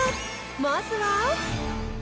まずは。